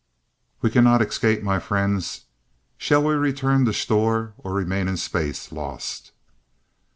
"We cannot escape, my friends. Shall we return to Sthor or remain in space, lost?"